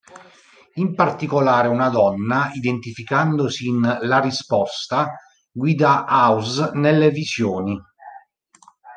In particolare una donna, identificandosi in "la risposta" guida House nelle visioni.